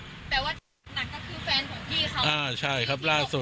แต่ว่าหนักก็คือแฟนของพี่เขาอ่าใช่ครับล่าสุด